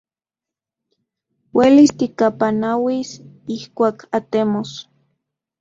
Uelis tikapanauis ijkuak atemos.